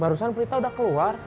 barusan berita udah keluar